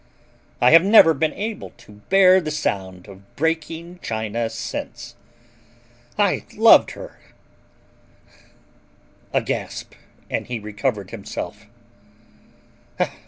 I have never been able to bear the sound of breaking china since. I loved her—" A gasp and he recovered himself.